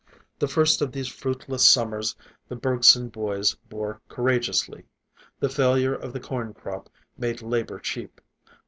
The first of these fruitless summers the Bergson boys bore courageously. The failure of the corn crop made labor cheap.